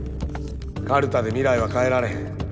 カルタで未来は変えられへん。